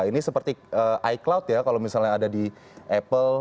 ini seperti icloud ya kalau misalnya ada di apple